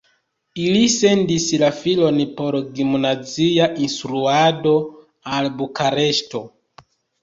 Ili sendis la filon por gimnazia instruado al Bukareŝto.